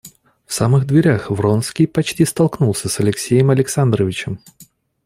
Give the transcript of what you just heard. В самых дверях Вронский почти столкнулся с Алексеем Александровичем.